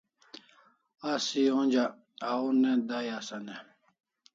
Asi onja au ne dai asan e?